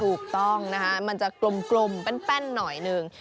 ถูกต้องนะคะมันจะกลมแป้นหน่อยหนึ่ง